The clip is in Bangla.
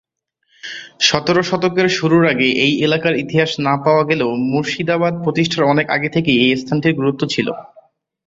সতেরো শতকের শুরুর আগে এই এলাকার ইতিহাস না পাওয়া গেলেও মুর্শিদাবাদ প্রতিষ্ঠার অনেক আগে থেকেই এই স্থানটির গুরুত্ব ছিল।